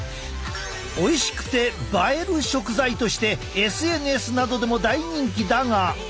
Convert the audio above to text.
おいしくて映える食材としてＳＮＳなどでも大人気だが。